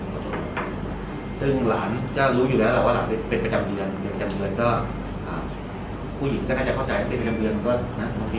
เพราะว่าน้องอยู่กับสองคนกับเพื่อนเพื่อนอีกคนนึงยืนปกติ